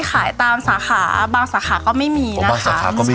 เพราะว่าสีเขาจะเหลืองสวยค่ะ